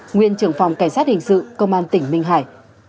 nguyên trưởng phòng cảnh sát hình sự công an tỉnh minh hải